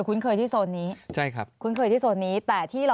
คุ้นเคยที่โซนนี้แต่ที่เราพูดแนี่ย